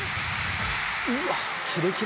うわキレキレ！